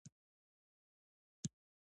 انګریز پوځیان ځینې سیمې کنټرولوي.